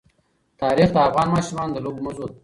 تاریخ د افغان ماشومانو د لوبو موضوع ده.